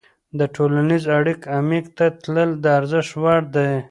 د ټولنیزو اړیکو عمیق ته تلل د ارزښت وړ دي.